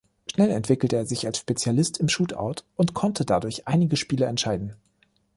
Schnell entwickelte er sich als Spezialist im Shootout und konnte dadurch einige Spiele entscheiden.